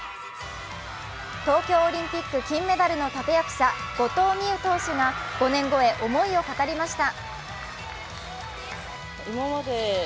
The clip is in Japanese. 東京オリンピック金メダルの立役者後藤希友投手が５年後へ思いを語りました。